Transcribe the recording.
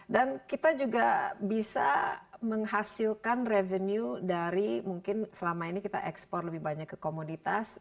dan kita juga bisa menghasilkan revenue dari mungkin selama ini kita ekspor lebih banyak ke komoditas